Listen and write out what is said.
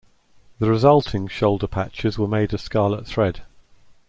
The resulting shoulder patches were made of scarlet thread.